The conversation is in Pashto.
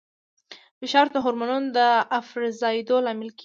فشار د هورمونونو د افرازېدو لامل کېږي.